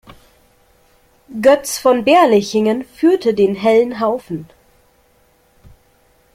Götz von Berlichingen führte den "Hellen Haufen".